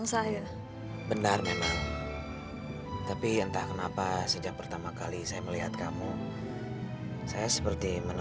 sampai jumpa di video selanjutnya